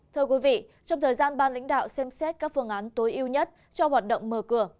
thưa quý vị trong thời gian ban lãnh đạo xem xét các phương án tối ưu nhất cho hoạt động mở cửa